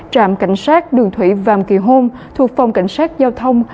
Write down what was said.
trạm cảnh sát đường thủy vàm kỳ hôn thuộc phòng cảnh sát giao thông